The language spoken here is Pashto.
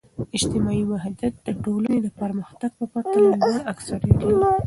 اجتماعي وحدت د ټولنې د پرمختګ په پرتله لوړ اکثریت لري.